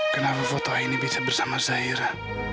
kenapa foto aini bisa bersama zahira